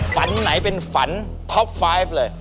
ฝันไหนเป็นฝันท็อป๕เลย